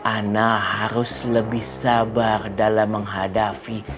anak harus lebih sabar dalam menghadapi